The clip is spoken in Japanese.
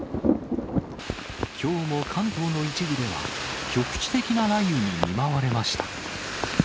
きょうも関東の一部では、局地的な雷雨に見舞われました。